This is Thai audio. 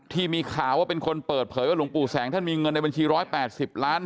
ที่มีข่าวว่าเป็นคนเปิดเผยว่าหลวงปู่แสงท่านมีเงินในบัญชี๑๘๐ล้าน